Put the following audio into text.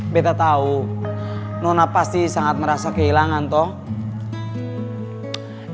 betta tau nona pasti sangat merasa kehilangan toh